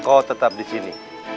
kau tetap di sini